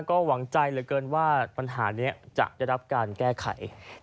ก็หวังใจเหลือเกินว่าปัญหานี้จะได้รับการแก้ไข